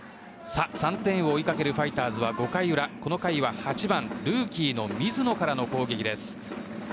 さあ、３点を追いかけるファイターズは５回裏、この回は８番、ルーキーの水野からの攻撃です。